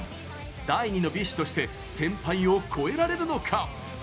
第２のＢｉＳＨとして先輩を超えられるのか。